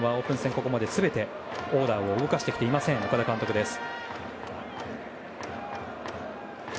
ここまで全てオーダーを動かしてきていない岡田監督です。